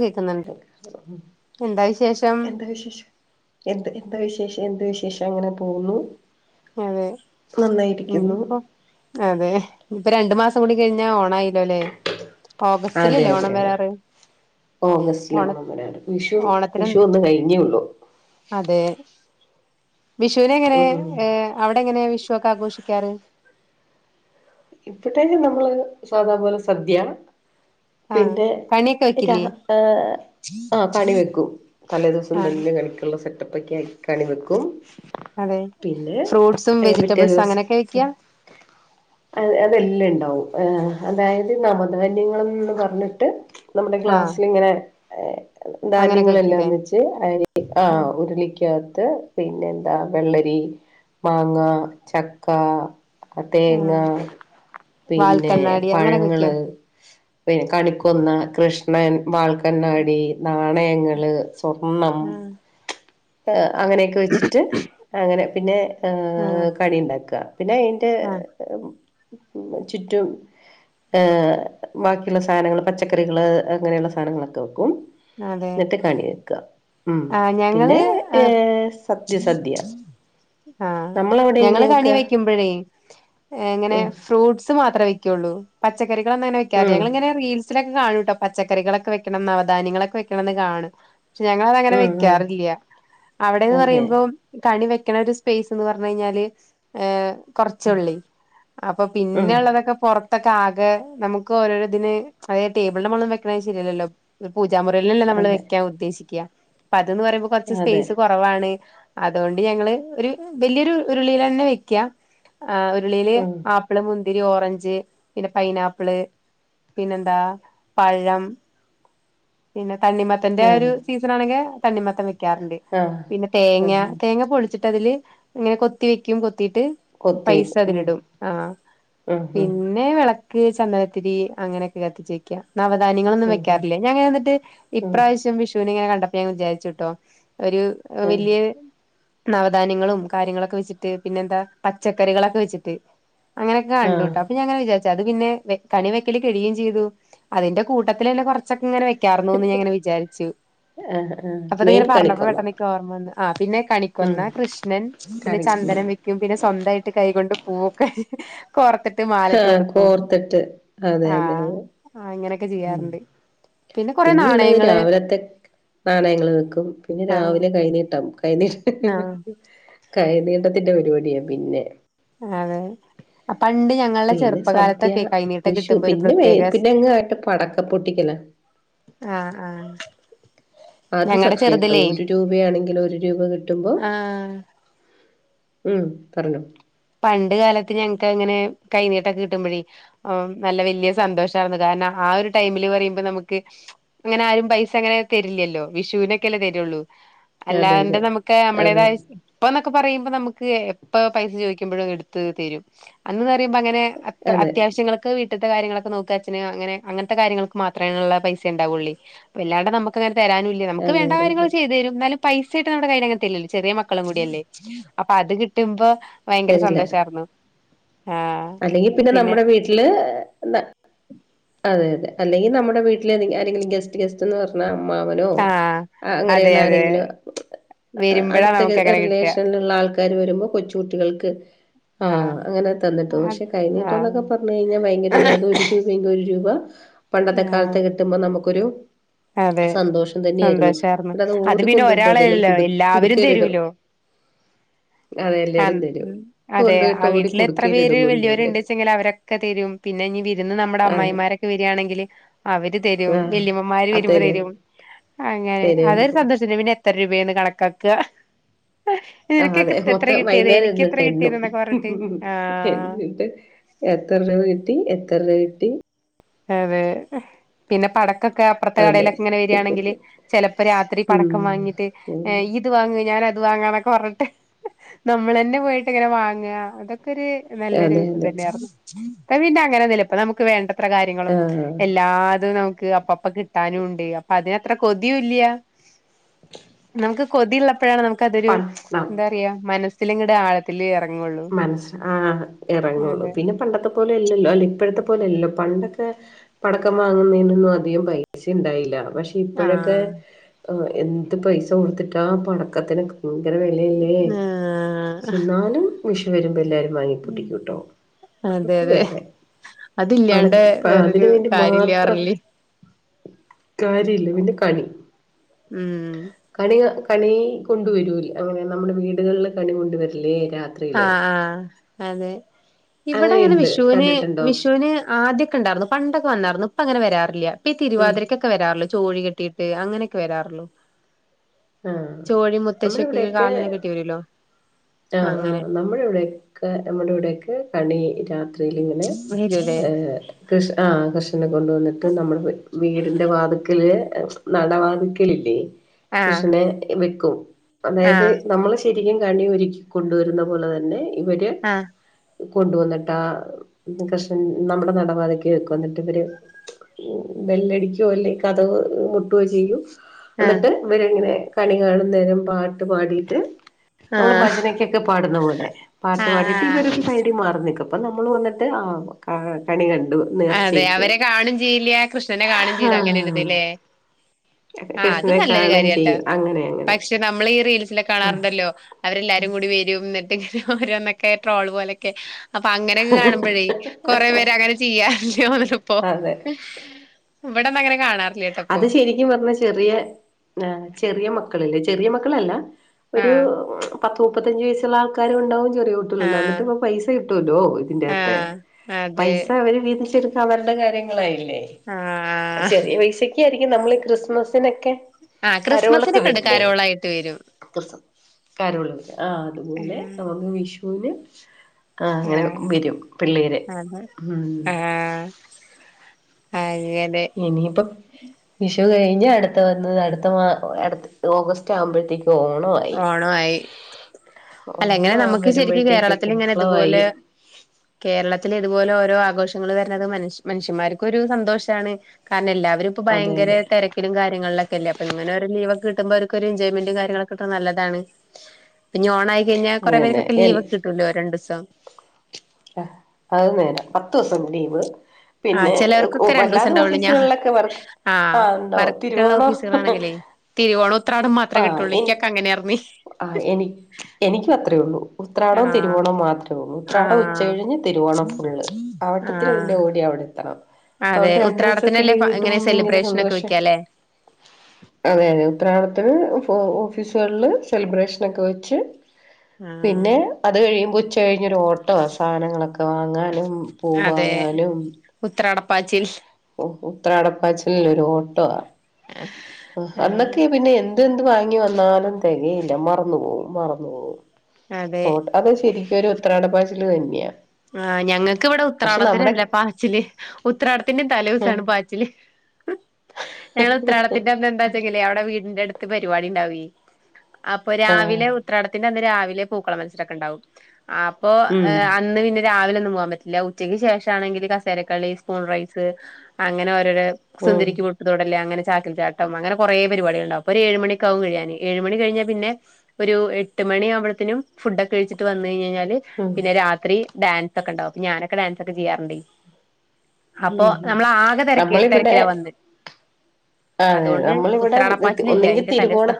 കേക്ക്ന്ന്ണ്ട് എന്താ വിശേഷം? ല്ല വിശേഷം. എന്ത് എന്താ വിശേഷം എന്ത്‌ വിശേഷം അങ്ങനെ പോവ്ന്നു. അതെ ഇനിയിപ്പം അതെ ഇനിപ്പോ രണ്ടു മാസം കൂടി കഴിഞ്ഞാ ഓണായല്ലോ ലേ ഓഗസ്റ്റിലല്ലേ ഓണം വരാറ്. ഓഗസ്റ്റിലാ ഓണ ഓണം വരാറ് വിഷു ഓണത്തിന് വിഷു ഒന്ന് കഴിഞ്ഞേ ഒള്ളൂ അതെ. വിഷൂന് എങ്ങനെ ഉം ഏഹ് അവിടെങ്ങനെ വിഷൊക്കെ ആഘോഷിക്കാറ് ഇവിടെ നമ്മള് സാധാ പോലെ സദ്യ. ആഹ് പിന്നെ കണി രാ ഏ കണി വെക്കും തലേ ദിവസം ആഹ് തന്നെ കണിക്കുള്ള സെ റ്റപ്പൊക്കാ കണിവെക്കും അതെ പിന്നെ ഫ്രൂട്ട്സും പിറ്റേ വെജിറ്റബിൾസും ദിവസ് അങ്ങനെയൊക്കെ വെക്ക അ അതെല്ലാം ഇണ്ടാവും ഏ അതായത് നമധാന്യങ്ങളെന്ന് പറഞ്ഞിട്ട് നമ്മുടെ ആഹ് ക്ലാസില്ങ്ങനെ ഏഹ് അങ്ങനെയൊക്കെ ധാന്യങ്ങളെല്ലാം വെക്കൂല്ലേ വെച്ച് അരി ആഹ് ഉരുളിക്കകത്ത് പിന്നെന്താ വെള്ളരി മാങ്ങ ചക്ക തേങ്ങ ആഹ് പിന്നെ വാൽക്കണ്ണാടി അങ്ങനെയൊക്കെ പഴങ്ങള് വെക്കോ പിന്നെ കണിക്കൊന്ന കൃഷ്ണൻ വാൽക്കണ്ണാടി നാണയങ്ങള്. സ്വർണ്ണം ആഹ് ഏഹ് അങ്ങനെയൊക്കെ വെച്ച്ട്ട് അങ്ങനെ പിന്നെ ആഹ് ഏഹ് കണിണ്ടാക്ക. പിന്നയ് ട്ട് ആഹ് ഉം ചുറ്റും ഏഹ് ബാക്കിയുള്ള സാനങ്ങള് പച്ചക്കറികള് അങ്ങനെയുള്ള സാനങ്ങളൊക്കെ വെക്കും. അതെ ന്നിട്ട് കണി വെക്ക, ഉം. ആഹ് പിന്നെ ഞങ്ങള് ആ ഏഹ് സദ്യ സദ്യ ആഹ്. നമ്മളവിടെ ഞങ്ങള് എങ്ങനെയാ കണി വെക്കുക വെക്കുമ്പെഴേ ഏ ങ്ങനെ ഉം ഫ്രൂട്ട്സ് മാത്രേ വെയ്ക്കൊള്ളൂ. പച്ചക്കറികളൊന്നങ്ങനെ വെക്കാതെ, ഉം ഞങ്ങള്ങ്ങനെ റീ സിലൊക്കെ കാണുട്ടോ പച്ചക്കറികളൊക്കെ വെയ്ക്കണം, നവധാന്യങ്ങളൊക്കെ വെയ്ക്കണം ന്ന് കാണും. പക്ഷെ ഞങ്ങള ങ്ങനെ ഉം ഉം വെയ്ക്കാറില്ല്യ. അവിടേന്ന് അതെ പറയുമ്പം കണി വെയ്ക്ക്ണ ഒരു സ്പെയ്സ്ന്ന് പറഞ്ഞയ്ഞ്ഞാല് ഏഹ് കൊർച്ചൊള്ളെയ്. അപ്പൊ ഉം പിന്നെള്ളതൊക്കെ പൊർ ട്ടൊക്കാകെ നമുക്ക് ഓരോരതിന് അതായത് ടേബിളിന്റെ മോള്ലൊന്നും വെക്ക്ണത് ശര്യല്ലല്ലോ. പൂജാമുറീലല്ലെ നമ്മള് അതെ വെയ്ക്കാൻ ഉദ്ദേശിയ്ക്ക. പ്പത് ന്ന് പറയുമ്പൊ കൊർച്ച് അതെ സ്പെയ്സ് കൊർ കുറവാണ്. അതോണ്ട് ഞങ്ങള് ഒരു വല്യൊരു ഉരുളീലെന്നെ വെയ്ക്കാ ആഹ് ഉരുളീല് ഉം ആ പ്പ്ള്, മുന്തിരി, ഓറഞ്ച് പിന്നെ പൈനാപ്പിള്, പിന്നെന്താ പഴം പിന്നെ തണ്ണിമത്തന്റെ ആ ഒരു സീസണാണെങ്കെ തണ്ണിമത്തൻ വെയ്ക് ക്കാറ്ണ്ട്. ആ പിന്നെ തേങ്ങ, തേങ്ങ പൊളിച്ചിട്ടതില് ഇങ്ങനെ കൊത്തി വെയ്ക്കും, കൊത്തീട്ട് കൊത്തി ഉം പൈസതിലിടും, ആഹ്. ഉം പിൻ ഉം ന്നെ വെളക്ക്, ചന്ദനത്തിരീ അങ്ങനെയൊക്കെ കത്തിച്ച് വെയ്ക്ക. നവധാന്യങ്ങളൊന്നും ഉം ഉം വെയ്ക്കാറില്ല. ഞങ്ങനെന്ന് ഉം ഇപ്പ്രാവശ്യം വിഷൂന്ങ്ങനെ കണ്ടപ്പോ ഞാൻ വിചാരിച്ചുട്ടോ, ഒരു ഉം വല്യേ നവധാന്യങ്ങളും കാര്യങ്ങളൊക്കെ വെച്ച്ട്ട് പിന്നെന്താ പച്ചക്കറികളൊക്കെ വെച്ച്ട്ട് അങ്ങനെക്കെ ആഹ് കണ്ടൂട്ടൊ. പിന്നെ ഞാങ്ങ്നെ വിചാര്ച്ചു. അത് പിന്നെ വെ കണി വെക്കല് കഴിയേം ചെയ്തു. അതിന്റെ കൂട്ടത്തിലെന്നെ കൊറച്ചൊക്കെങ്ങനെ വെ യ്ക്കാർന്നൂന്ന് ഞാങ്ങനെ വിചാരിച്ചു. ആഹ് ആഹ് മെയിൻ അപ്പൊത്ങ്ങനെ പറഞ്ഞപ്പൊ കണിക്കൊന്ന പെട്ടന്ന് ഓർമ വന്ന്. ആഹ് പിന്നെ ഉം കണിക്കൊന്ന, കൃഷ്ണൻ പിന്നെ കാണിക്കുന്നു ചന്ദനം വി യ്ക്കും. പിന്നെ സ്വന്തായിട്ട് കൈ കൊണ്ട് പൂവൊക്കെ കോർത്തി ട്ട് മാലട്ട് ആഹ് കൊടുക്കും. കോർത്തിട്ട് അതെ അതെ ആഹ് അതെ അങ്ങനെയൊക്കെ ഉം ചെയ്യാറ്ണ്ട്. പിന്നെള്ളത് രാവിലത്തെ നാണയങ്ങള് വെക്കും. പിന്നെ ആഹ് രാവിലെ കൈനീട്ടം. കൈനീ ആഹ് കൈനീട്ടത്തിന്റെ പരിപാടിയാ പിന്നെ. അതേ. അ പണ്ട് ഞ ങ്ങൾടെ പിന്നെ സദ്യ ചെറുപ്പകാലത്തൊക്കെ കൈനീട്ടം വിഷു കിട്ടുമ്പൊ ഒരു പിന്നെ പ്രത്യേക സ് പിന്നെ അങ്ങ് ആയിട്ട് പടക്ക പൊട്ടിക്കല ആഹ് ആഹ് അത് ഞങ്ങടെ സത്യട്ടോ. ചെറുതിലേ ഒരു രൂപയാണെങ്കിലും ഒരു രൂപ കിട്ടുമ്പോ ആഹ് മ് പറഞ്ഞോ പണ്ട് കാലത്ത് ഞങ്ങക്കങ്ങനെ കൈനീട്ടൊക്കെ കിട്ടുമ്പഴേ ഓം നല്ല വലിയ സന്തോഷാവുന്നു കാരണം, ആ ഒരു ടൈമില് പറയുമ്പൊ നമുക്ക് അങ്ങനെ ആരും പൈസ അങ്ങനെ തെരില്ല്യല്ലോ. വിഷൂനൊക്കെല്ലെ തെരൊള്ളൂ. അതെ അല്ലാണ്ട് അതെ നമുക്ക് അതെ അതെ നമ്മുടേതായ ഇപ്പന്നൊക്കെ പറയുമ്പൊ നമുക്ക് എപ്പ പൈസ ചോദിക്കുമ്പൊഴും എടുത്ത് തെരും. അന്ന്ന്ന് പറയുമ്പൊ അങ്ങനെ അത്ര അതെ അത്യാവശ്യങ്ങള് ക്ക് വീട്ട്ത്തെ കാര്യങ്ങളൊക്കെ നോക്കാ അച്ഛന് അങ്ങനെ, അങ്ങൻത്തെ കാര്യങ്ങൾക്ക് മാത്രേ ഉള്ള പൈസേ ഇണ്ടാവൊള്ളേയ്. വെല്ലാണ്ടെ നമക്ക് അങ്ങനെ തരാനൂല്ല്യ. നമുക്ക് അതെ വേണ്ട കാര്യങ്ങള് അതെ ചെയ്ത് തെരും, ന്നാലും പൈസേയിട്ട് നമ്മുടെ കയ്യിലങ്ങനെ തരില്ലല്ലോ. ചെറ്യേ മക്കളെ കൂടെയല്ലേ. അപ്പൊ അത് കിട്ടുമ്പോ ഭയങ്കര സന്തോഷായിരുന്നു. ആഹ് അല്ലെങ്കി പിന്നെ നമ്മുടെ വീട്ടില് ന്ന അതെ അതെ അല്ലെങ്കി നമ്മടെ വീട്ടില് ആരെങ്കിലും ഗസ്റ്റ് ഗസ്റ്റ് ന്ന് പർഞ്ഞ അമ്മാവനോ ആഹ് അതെ അങ്ങനെയുള്ള അതെ ആരെങ്കിലും വരുമ്പഴാ അടുത്ത നമുക്ക് അങ്ങനെ കിട്ടാ റിലേഷനിൽള്ള ആൾ കാര് വരുമ്പോ കൊച്ചു കുട്ടികൾക്ക് ആഹ് അങ്ങനെ തന്നിട്ട് പോം അത് പക്ഷെ കയ് നീട്ടം ന്നൊക്കെ ആഹ് പർഞയ്ഞ്ഞാ ഭയങ്കര ഇത അത് ഒരു രൂപെങ്കി ഒരു രൂപ പണ്ടത്തെ ആഹ് കാലത്ത് കിട്ടുമ്പോ നമുക്കൊരു അതെ സന്തോഷം തന്നെര്ന്നു സന്തോഷായിരുന്നു പിന്നത് അത് പിന്നെ ഓടിക്കൊണ്ടോയ്ട്ട് എവിടെലും ഒരാളല്ലല്ലോ കുടു എല്ലാവരും കുടുക്കെലിടും തരൂലോ ആഹ് അതെ കൊണ്ടുപോയിട്ട് ആ ഓടി വീട്ടിൽ എത്ര പേര് കുടുക്കയിലിടും കൊണ്ടുപോയിട്ട് വെല്യോര്ണ്ട് ച്ച്ണ്ടെങ്കി അവരെ ക്കെ തെരും പിന്നെ ഇനി വിരുന്ന് നമ്മുടെ അതെ അമ്മായിമാരൊക്കെ വെരാണെങ്കിൽ അവര് തെരും ആ വെല്ലിമ്മമാര് അത് വെരുമ്പോ തരും തെരും അങ്ങനെ തരും അതൊരു സന്തോഷണ്ട് പിന്നെ എത്ര രൂപേന്ന് കണക്കാക്ക ആഹ് നിനക്കൊക്കെ അതെ എത്ര മൊത്തം കിട്ടിയത് വൈന്നേരം എനിക്ക് എത്ര ര്ന്നിട്ടെണ്ണും കിട്ടിയത് എന്നൊക്കെ പറഞ്ഞിട്ട് ആഹ് എത്ര രൂപ കിട്ടി എത്ര രൂപ കിട്ടി അതെ പിന്നെ പട ക്കൊക്കെ അപ്പർത്തെ അതെ കടേലൊക്കെങ്ങനെ വെരാണെങ്കിൽ ചെലപ്പോ രാത്രി പടക്കം ഉം വങ്ങിട്ട് ഏ അങ്ങനെ. ഇയ്യ് ത് വാങ് ഞാനത് വാങ്ങാന്നൊക്കെ പർഞ്ട്ട് നമ്മളെന്നെ പോയിട്ട് ങ്ങനെ വാങ്ങ അതൊക്കൊര് നല്ലൊരു അതെ ഇത് അതെ തന്നാർന്നു ഇപ്പ പിന്നെ അങ്ങനൊന്നുല്ല ഇപ്പ നമ്മക്ക് വേണ്ട ത്ര കാര്യങ്ങളും ആ എല്ലാതും നമുക്ക് അപ്പ പ്പ കിട്ടാനുണ്ട് അപ്പൊ അതിനത്ര കൊതിയുല്യ നമുക്ക് കൊതിയള്ളപ്പഴാണ് നമു ക്കതൊരു പ എന്താ പറയാ മനസ്സ്ല്ങ്ങട്ട് ആഴത്തില് എറങൊള്ളു മനസ് ആ എറങൊള്ളു പിന്നെ പണ്ടത്തെ പോലെ അല്ലല്ലോ അല്ല ഇപ്പഴ്ത്തെ പോലല്ലല്ലോ പണ്ടൊക്കെ പടക്കം വാങ്ങുന്നതിനൊന്നും അധികം പൈസ ണ്ടായില്ല പക്ഷേ ഇപ്പഴൊക്കെ ആഹ് എന്ത് പൈസ കൊടുത്തിട്ടാ പടക്കത്തിന് ഭയങ്കര വെലയല്ലേ ആഹ് പക്ഷെ ന്നാലും വിഷു വെരുമ്പോ എല്ലാരും വാങ്ങി പൊട്ടിക്കുട്ടോ അതെ അത് അതെ വേറെ പട അതില്ലാണ്ട് അ അതിന് വേറൊരു വേണ്ടി കാര്യല്ല മാത്രം പറഞ്ഞില്ലേ കാര്യല്ല പിന്നെ കണി ഉം കണി കണി കൊണ്ടുവരൂലെ അങ്ങനെ നമ്മടെ വീടുകളില് കണി കൊണ്ടുവരില്ലേ രാ ആഹ് ആഹ് അതെ ഇവടെ അങ്ങനെ അങ്ങനെയുണ്ട് വിഷുന് കണ്ടിട്ടുണ്ടോ വിഷുന് ആദ്യൊക്കെ ണ്ടാർന്നു പണ്ടൊക്കെ വന്നാർന്നു ഇപ്പങ്ങനെ വെരാറില്ല ഇപ്പ ഉം തിരുവാതിരക്കൊക്കെ വെരാറുള്ളു ചോഴി കെട്ടിട്ട് അങ്ങനെയൊക്കെ വെരാറുള്ളു ആഹ് ചോഴി നമ്മുടെ മുത്തശ്ശിയൊക്കെ ഇവിടെയൊക്കെ കാലനെ കെട്ടി വരല്ലോ ആഹ് ആഹ് നമ്മടെ ഇവടൊക്കെ നമ്മടെ ഇവടൊക്കെ കണി രാത്രി ത്രില്ങ്ങനെ വരൂലേ എ കൃഷ് ആ കൃഷ് കൊണ്ടുവന്ന്ട്ട് നമ്മടെ വീടിന്റെ വാതുക്കല് നട വാത്ക്കലില്ലേ ആഹ് കൃഷ്ണനെ വെക്കും അതായത് ആഹ് നമ്മള് ശെരിക്കും കണി ഒരുക്കി കൊണ്ടുവരുന്ന പോലെ തന്നെ ഇവര് ആഹ് കൊണ്ടുവന്ന്ട്ട് ആ കൃഷ്ണൻ നമ്മടെ നടപാതയ്ക്ക് വെക്കും അന്ന്ട്ട് വര് ബെല്ലടിക്കോ അല്ലെങ്കി കഥക് മുട്ടോ ചെയ്യും ആഹ് അന്ന്ട്ട് ഇവര്ങ്ങനെ കണി കാണുന്നേരം പാട്ട് പാടിട്ട് നമ്മള് ആഹ് ഭജനയ്ക്കൊക്കെ പാടുന്ന പോലെ ആഹ് പാട്ട് പാടിട്ട് ആഹ് ഇവരൊരു സൈഡി മാറി നിക്കും അപ്പോ നമ്മൾ വന്ന്ട്ട് ആ കണി കണ്ട് അതെ അവരെ കാണും ചെയ്യില്ല കൃഷ്ണനെ കാണും ചെയ്തു അങ്ങനൊര്ത്ല്ലേ [unintelligible] കൃഷ്ണ നല്ലൊരു കാര്യാട്ടോ പക്ഷെ നമ്മളീ റീൽസിലൊക്കെ ആ കാണാറുണ്ടല്ലോ അവരെല്ലാരും കൂടി വരും എന്നിട്ട്ങ്ങനെ ഓരോന്നൊക്കെ ട്രോൾ പോലൊക്കെ അപ്പൊ അങ്ങനെയൊക്കെ കാണുമ്പഴേ കൊറെ പേരങ്ങനെ ചെയ്യാറ്ണ്ട് ഒലപ്പോ അതെ ഇവടൊന്നും അങ്ങനെ കാണാറി അത് ശരിക്കും പറഞ്ഞാ ചെറിയ ആഹ് ചെറിയ മക്കളില്ലേ ചെറിയ മക്കളല്ല ഒരു ആഹ് പത്ത് മുപ്പത്തഞ്ച് വയസ്സുള്ള ആൾക്കാരും ഇണ്ടാവും ചെറിയോരും ഇണ്ടാവും ആഹ് എന്നിട്ട് പൈസ കിട്ടുവല്ലോ ഇതിന്റകത്ത് ആഹ് അതെ പൈസ അവര് വീതിച്ചെടു ത്തവരുടെ കാര്യങ്ങളായില്ലേ ആഹ് ചെറിയ പൈസക്കെ ആയിരിക്കും നമ്മള് ഈ ക്രിസ്മസിനൊക്കെ ആഹ് കരോളൊക്കെ ക്രിസ്മസിനെക്കെണ്ട് വരില്ലേ കാരോളായിട്ട് വരും ക്രിസ് കരോള് ആ അതുപോലെ ആഹ് നമുക്ക് വിഷുവിന് ആ അങ്ങനെ ആഹ് വരും പിള്ളേര് അതെ ഉം ആഹ് അങ്ങനെ ഇനിയിപ്പം വിഷു കഴിഞ്ഞ് അടുത്ത വന്ന് അടുത്ത മാ അടുത്ത ഓഗസ്റ്റ് ആവുമ്പഴത്തേക്കും ഓണവാവും ഓണവായി അല്ല ഓണ ഇങ്ങനെ നമുക്ക് ശരിക്കും വരുമ്പോഴത്തേക്ക് കേരളത്തിലിങ്ങനെ പൂക്കളമായി ഇതുപോലെ കേരളത്തില് ഇതുപോലെ ഓരോ ആഘോഷങ്ങള് വരുന്നത് മനിഷ് മനുഷ്യന്മാർക്ക് ഒരു സന്തോഷാണ് കാരണം എല്ലാവരും ഇപ്പം അതെ ഭയങ്കര അതെ തെരക്കിലും കാര്യങ്ങളിലക്കല്ലേ അപ്പോ ഇങ്ങനെ ഒരു ലീവൊക്കെ കിട്ടുമ്പോ അവർക്ക് ഒരു എൻജോയ്മെന്റും കാര്യങ്ങളും ക്കൊക്കെ നല്ലതാണ് ഇപ്പെഞ് ഓണായി കഴിഞ്ഞാ കൊറേ അതെ അതെ പേർക്കൊക്കെ എൽ ലീവ് ഒക്കെ കിട്ടുവല്ലോ രണ്ടൂസം ആഹ് അത് നേരാ പത്ത് ദിവസുണ്ട് ലീവ് ആ പിന്നെ ചിലവർക്കൊക്കെ രണ്ടൂസം വല്ലാതെ ഉണ്ടാവുള്ളൂ ഞാൻ ഓഫീസുകളിലൊക്കെ വർക്ക് ആ ഇണ്ടവും വർക്കുള്ള തിരുവോണം ഓഫീസുകളാണെങ്കിലേ തിരുവോണം ഉത്രാടം മാത്രേ ആ കിട്ടൊള്ളൂ എനി ഇക്യൊക്കെ അങ്ങനെയാർന്നെ ആഹ് എനി എനിക്കും അത്രേ ഒള്ളൂ ഉത്രാടം തിരുവോണവും മാത്രമേ ഉള്ളൂ ആ ആ ഉത്രാടും ഇല്ല ഉച്ച കഴിഞ്ഞ് തിരുവോണം ഫുള്ള് അവിട്ടത്തിന് ആ പിന്നെ ഓടി അവിടെ എത്തണം അപ്പൊ അതെ അതോണ്ട് രണ്ട് ദിവസൊക്കെ ഉത്രാടത്തിനല്ലേ ലീവ് ഫ ഇങ്ങനെ കിട്ടുമ്പോ ഭയങ്കര സെലിബ്രേഷനൊക്കെ സന്തോഷാ വെക്കാല്ലേ അതെ അതെ ഉത്രാടത്തിന് ഏഹ് ഓഫീസുകളില് സെലിബ്രേഷനൊക്കെ വെച്ച് ആഹ് പിന്നെ അത് കഴിയുമ്പോ ഉച്ച കഴിഞ്ഞൊരു ഓട്ടവാ സാധനങ്ങളൊക്കെ വാങ്ങാനും പൂ അതെ വാങ്ങാനും ഉത്രാടപ്പാച്ചിൽ ഉം ഉം ഉത്രാടപ്പാച്ച്ലിൽ ഒരു ഓട്ടവാ ആഹ് അന്നൊക്കെ പിന്നെ എ ന്തെന്ത് വാങ്ങി വന്നാലും തികയില്ല മറന്നു പോവും മറന്നു പോവും അതെ പോട്ട അത് ശരിക്കും ഒരു ഉത്രാടപ്പാച്ചില് തന്നെയാ ആഹ് ഞങ്ങക്ക് ഇവടെ പക്ഷെ നമ്മുടെ ഉത്രാടത്തിനല്ല പാച്ചില് ഉത്രാടത്തിന്റെ തലേ ആ ഉം ദൂസാണ് പാച്ചില് ഞങ്ങള് ഉത്രാടത്തിന്റെ അന്ന് എന്താ ക്കിലെ അവിടെ വീടിന്റെ അടുത്ത് പരിവാടി ഇണ്ടാവെ അപ്പ ആഹ് രാവിലെ ഉത്രാട ത്തിന്റന്ന് രാവിലെ പൂക്കള മത്സരൊക്കെണ്ടാവും അപ്പോ ഉം ഏഹ് അന്ന് പിന്നെ രാവിലൊന്നും പോകാൻ പറ്റില്ല ഉച്ചയ്ക്ക് ശേഷാണെങ്കില് കസേരക്കളി, സ്പൂൺ റൈസ്, അങ്ങനെ ഓരോരോ ഉം സുന്ദരിക്ക് പൊട്ട് തൊ ടല് അങ്ങനെ ചാക്കിൽചാട്ടം അങ്ങനെ കെറേ പരിടികള്ണ്ടാവും അപ്പൊ ഒരു ഏഴു മണിയൊക്കെ ആവും കഴിയാന് ഏഴു മണി കഴിഞ്ഞാ പിന്നെ ഒരു എട്ട് മണിയാവുമ്പഴത്തേനും ഫുഡ് ഒക്കെ കഴിച്ചിട്ട് വന്ന് കഴിഞയിഞ്ഞാല് ഉം പിന്നെ രാത്രി ഡാൻസൊക്കെണ്ടാവും ഞാനൊക്കെ ഡാൻസൊക്കെ ചെയ്യാറ്ണ്ടേ അപ്പൊ ഉം നമ്മള് ആകെ തിരക്ക് നമ്മളിവിടെ തിരക്കിലാവും അന്ന് അതു അതെ കൊണ്ട് നമ്മളിവിടെ ഉത്രാടപ്പാച്ചിലില്ല ഒന്നെങ്കിൽ അതിന്റെ തലൂസാ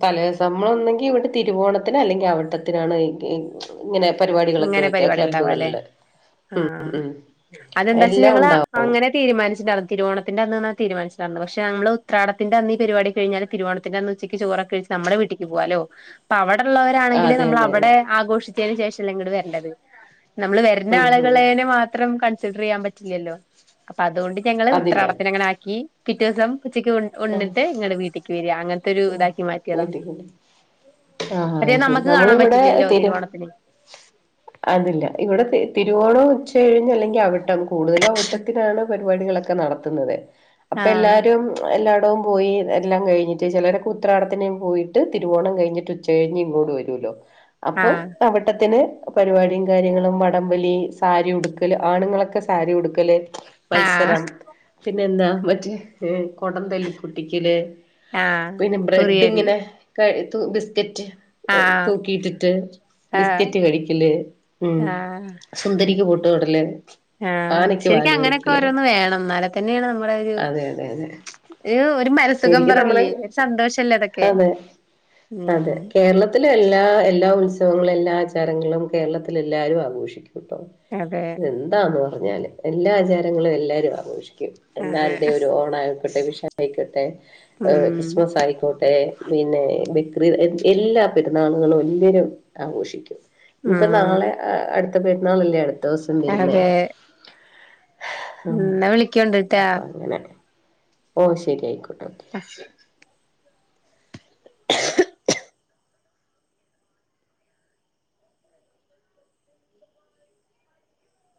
തലേ ദിവസം നമ്മളൊന്നെങ്കി ഇവിടെ തിരുവോണത്തിന് അല്ലെങ്കില് അവിട്ടത്തിന് ത്തിനാണ് ഇങ്ങനെ പരിപാടികളൊക്കെ ഇങ്ങനെ വെക്കുക പരിപാടി ഉണ്ടാവാല്ലെ ക്ലബ്ബുകളില് ആഹ് ഉം അതെന്താ വച്ചാ എല്ലാം ഞങ്ങള് ഉണ്ടാവും അങ്ങനെ തീമാനിച്ചിണ്ടായിരുന്നു തിരുവോണ തിന്റെ അന്ന്ന്നാണ് തീരുമാനിച്ചതാരുന്നു പക്ഷെ നമ്മൾ ഉത്രാടത്തിന്റെ അന്ന് ഈ പരിപാടി കഴിഞ്ഞാൽ തിരുവോണത്തിന്റെ അന്ന് ഉച്ചക്ക് ചോറ് ഒക്കെ കഴിച്ച് നമ്മടെ വീട്ടക്ക് പോവാലോ അപ്പ ആ, അവിടുള്ളവരാണെങ്കിലെ അതെ നമ്മള് അതെ അതെ ആഘോഷിച്ചേന് ശേഷല്ലേ ഇങ്ങട് വരേണ്ടത് നമ്മൾ വരുന്ന ഉം ഉം ആളുകളേനെ മാ ത്രം കൺസിഡർ ചെയ്യാൻ പറ്റില്ലല്ലോ അപ്പൊ അതുകൊണ്ട് ഞങ്ങള് അതില്ല ഉത്രാടത്തിന് അങ്ങനെ ആക്കി പിറ്റേ ദിവസം ഉച്ചക്ക് ആഹ് ഉണ്ണിട്ട് ഇങ്ങടെ വീട്ടിലേക്ക് വരിക അങ്ങനത്തെ ഒരു ഇതാക്കി മാറ്റിയതാ വീട്ടിൽ ആഹ് മറ്റേത് അയ്ശരി നമ്മക്ക് കാണാൻ നമ്മളിവിടെ പറ്റില്ലല്ലോ തിരു തിരുവോണത്തിന് അതില്ല ഇവിടെ തിരുവോണവും ഉച്ചഴിഞ്ഞ് അല്ലെങ്കിൽ അവിട്ട ട്ടം കൂടുതലും അവിട്ടത്തിനാണ് പരിപാടികളൊക്കെ നടത്തുന്നത് അപ്പൊ ആഹ് എല്ലാരും എല്ലാടവും പോയി എല്ലാം കഴിഞ്ഞിട്ട് ചിലരൊക്കെ ഉത്രാടത്തിന്ന് പോയിട്ട് തിരുവോണം കഴിഞ്ഞിട്ട് ഉച്ച കഴിഞ്ഞ് ഇങ്ങോട്ട് വരൂല്ലോ അപ്പൊ ആഹ് അവിട്ടത്തിന് പരിപാടിയും കാര്യങ്ങളും വടംവലി സാരി ഉടുക്കല് ആണുങ്ങളൊക്കെ സാരി ഉടുക്കല് ആഹ് മത്സരം പിന്നെന്താ മറ്റേ കുടം തല്ലിപ്പൊട്ടിക്കല് ആഹ് പിന്നെ ബ്രെഡ് ഉറിയടി ഇങ്ങനെ കഴ് തൂ ബിസ്കറ്റ് ആഹ് തൂക്കിട്ടിട്ട് ആഹ് ബിസ്കറ്റ് കഴിക്കല് ഉം ആഹ് സുന്ദരിക്ക് പൊട്ട് തൊടല് ആഹ് ആനക്ക് വാൽ ശരിക്കും അങ്ങനെയൊക്കെ വരക്കല് ഓരോന്ന് വേണം എന്നാലെ തന്നെയാണ് നമ്മടെ അതെ ഒരു മനസുഖം ശരിക്കും നമ്മുടെ പറഞ്ഞില്ലേ ഒരു സന്തോഷല്ലേ അതൊക്കെ അതെ അതെ ഉം കേരള ത്തിലെ എല്ലാ എല്ലാ ഉത്സവങ്ങളും എല്ലാ ആചാരങ്ങളും കേരളത്തിലെല്ലാരും ആഘോഷിക്കും ഇപ്പൊ അതെ എന്താണെന്ന് പറഞ്ഞാല് എല്ലാ ആചാരങ്ങളും എല്ലാരും ആഘോഷിക്കും അതെ എല്ലാരുടെരു ഓണയിക്കോട്ടെ വിഷായിക്കോട്ടെ എഹ് ഉം ക്രിസ്മസയിക്കോട്ടെ പിന്നെ ബക്റിദ് എല്ലാ പെരുന്നാളുകളും എല്ലരും ആഘോഷിക്കും ഇനിപ്പ ഉം നാളെ അടുത്ത പെരുന്നാളല്ലേ അടുത്തോസം വരുന്നേ ഇന്ന വിളിക്കണ്ട്ട്ടാ ങ്ങനെ ഓ ശരി ആയിക്കോട്ടെ ഓക്കെ അ